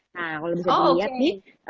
nah kalau bisa dilihat nih